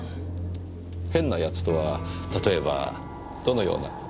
変な奴とは例えばどのような？